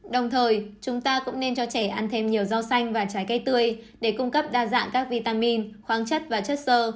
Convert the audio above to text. đồng thời chúng ta cũng nên cho trẻ ăn thêm nhiều rau xanh và trái cây tươi để cung cấp đa dạng các vitamin khoáng chất và chất sơ